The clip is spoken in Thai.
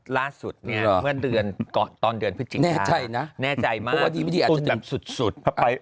ล่าสุดนี่เพื่อนเดือนตอนเดือนพฤศจิตรศาสตร์ค่ะแน่ใจนะตุนแบบสุดเพราะว่าวันนี้อาจจะตื่น